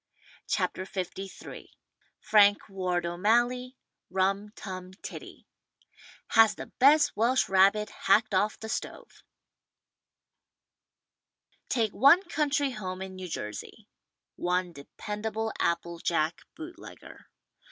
[los] THE STAG COOK BOOK LIII Frank Ward O^Malley RUM TUM TIDDY — has the best Welsh rabbit hacked off the stove.'' Take one country home in New Jersey. One dependa ble apple jack bootlegger.